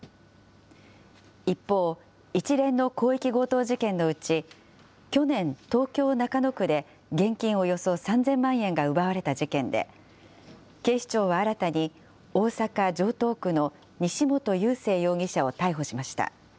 一方、一連の広域強盗事件のうち、去年、東京・中野区で現金およそ３０００万円が奪われた事件で、警視庁は新たに、大阪・城東区の西本佑聖容疑者を逮捕しました。